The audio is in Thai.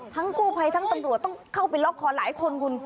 กู้ภัยทั้งตำรวจต้องเข้าไปล็อกคอหลายคนคุณ